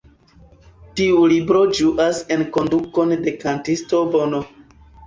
Tiu libro ĝuas enkondukon de kantisto Bono.